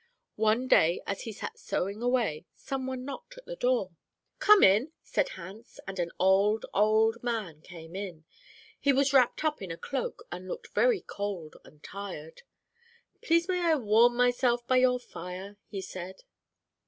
One day as he sat sewing away, some one knocked at the door. "'Come in,' said Hans, and an old, old man came in. He was wrapped up in a cloak, and looked very cold and tired. "'Please may I warm myself by your fire?' he said.